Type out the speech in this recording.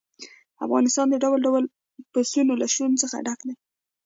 افغانستان د ډول ډول پسونو له شتون څخه ډک دی.